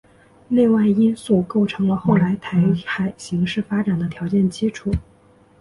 内外因素构成了后来台海形势发展的条件基础。